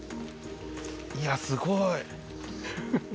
いやすごい。